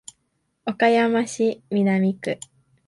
岡山市南区